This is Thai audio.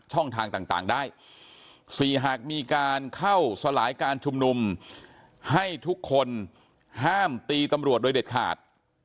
ทางต่างได้๔หากมีการเข้าสลายการชุมนุมให้ทุกคนห้ามตีตำรวจโดยเด็ดขาด